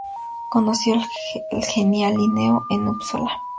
Conoció al genial Linneo en Upsala.